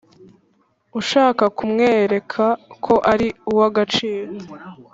ushaka kumwereka ko ari uw’agaciro,